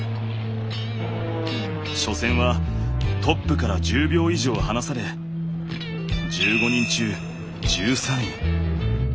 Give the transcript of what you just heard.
初戦はトップから１０秒以上離され１５人中１３位。